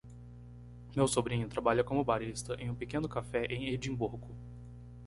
Meu sobrinho trabalha como barista em um pequeno café em Edimburgo.